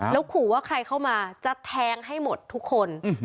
แล้วขู่ว่าใครเข้ามาจะแทงให้หมดทุกคน